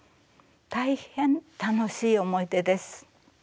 大変楽しい思い出です。